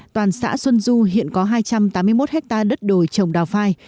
toàn xã xuân du hiện có hai trăm tám mươi một hectare đất đồi trồng đào phai